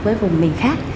với vùng miền khác